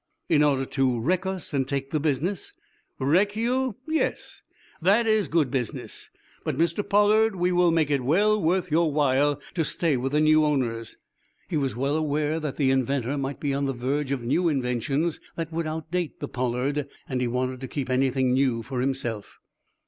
"In order to wreck us and take the business?" "Wreck you? Yes. That is good business. But, Mr. Pollard, we will make it well worth your while to stay with the new owners." He was well aware that the inventor might be on the verge of new inventions that would outdate the "Pollard," and he wanted to keep anything new for himself.